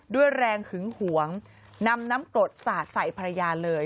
ด้วยแรงหึงหวงนำน้ำกรดสาดใส่ภรรยาเลย